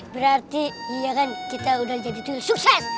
berarti ya kan kita udah jadi tuyul sukses